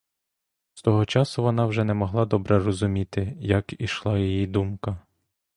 З того часу вона вже не могла добре розуміти, як ішла її думка.